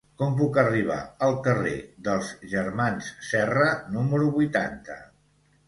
Com puc arribar al carrer dels Germans Serra número vuitanta?